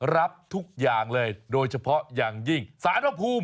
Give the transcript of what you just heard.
รับทุกอย่างเลยโดยเฉพาะอย่างยิ่งสารพระภูมิ